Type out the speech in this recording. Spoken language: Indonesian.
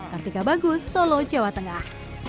kartika bagus solo jawa tengah